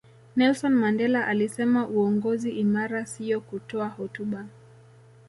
nelson mandela alisema uongozi imara siyo kutoa hotuba